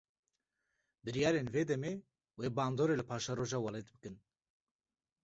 Biryarên vê demê, wê bandorê li paşeroja welêt bikin